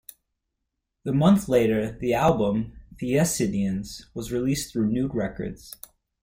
A month later, the album "theyesandeye" was released through Nude Records.